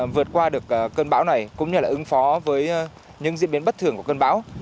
vượt qua được cơn bão này cũng như là ứng phó với những diễn biến bất thường của cơn bão